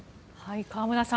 河村さん